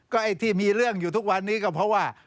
ก็ไอ้ที่มีเรื่องอยู่ทุกวันนี้ก็เพราะว่า